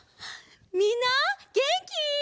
みんなげんき？